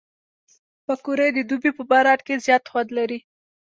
پکورې د دوبي په باران کې زیات خوند لري